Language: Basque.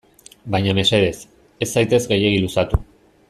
Baina mesedez, ez zaitez gehiegi luzatu.